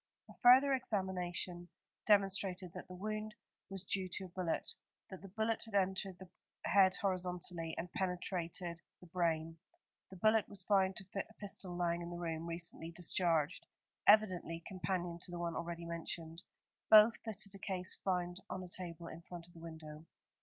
A further examination demonstrated that the wound was due to a bullet; that the bullet had entered the head horizontally and penetrated the brain. The bullet was found to fit a pistol lying in the room, recently discharged, evidently companion to the one already mentioned. Both fitted a case found on a table in front of the window.